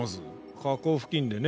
火口付近でね